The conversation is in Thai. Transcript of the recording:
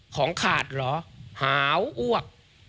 ของขาดเหรอหาวอ้วก